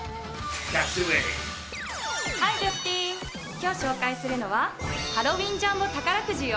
今日紹介するのはハロウィンジャンボ宝くじよ。